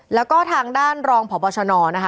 แล้วก็ทางด้านรองพบชนนะคะ